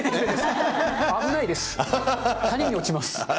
危ないです。